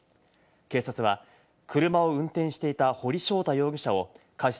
警察は車を運転していた堀翔太容疑者を過失